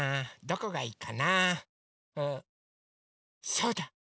そうだ！